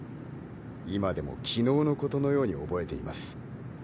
今でも昨日のことのように覚えています。